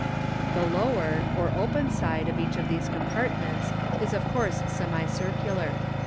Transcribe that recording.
The lower, or open side of each of these compart ments is of course semicircular.